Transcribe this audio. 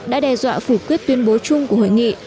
đã đe dọa phủ quyết tuyên bố chung của hội nghị